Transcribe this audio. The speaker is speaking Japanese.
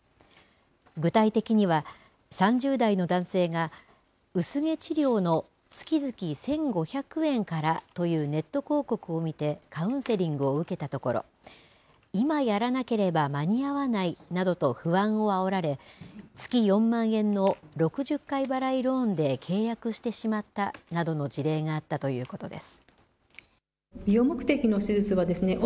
具体的には、３０代の男性が薄毛治療の月々１５００円からというネット広告を見てカウンセリングを受けたところ、今やらなければ間に合わないなどと不安をあおられ、月４万円の６０回払いローンで契約してしまったなどの事例があったということです。